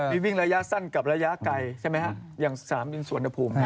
มีวิ่งระยะสั้นกับระยะไกลใช่ไหมฮะอย่างสนามบินสุวรรณภูมิ